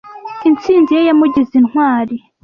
Intsinzi ye yamugize intwari.